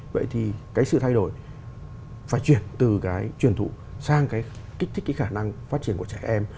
vậy thì cái sự thay đổi phải chuyển từ cái truyền thụ sang cái kích thích cái khả năng phát triển của trẻ em